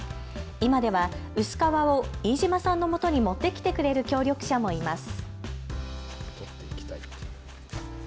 今では薄皮を飯島さんのもとに持ってきてくれる協力者もいます。